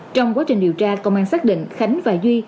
trong quá trình điều tra công an xác định khánh và duy